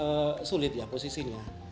kadang kadang sulit ya posisinya